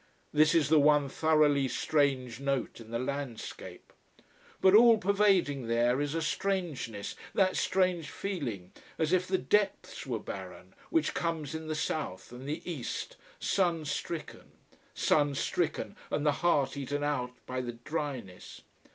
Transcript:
This is the one thoroughly strange note in the landscape. But all pervading there is a strangeness, that strange feeling as if the depths were barren, which comes in the south and the east, sun stricken. Sun stricken, and the heart eaten out by the dryness.